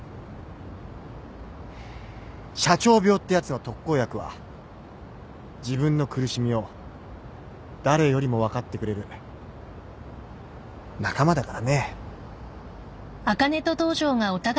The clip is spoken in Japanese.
社長病ってやつの特効薬は自分の苦しみを誰よりも分かってくれる仲間だからね。